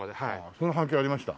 その反響ありました？